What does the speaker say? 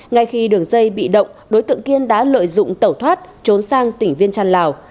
ngay khi đường dây bị động đối tượng kiên đã lợi dụng tẩu thoát trốn sang tỉnh viên trăn lào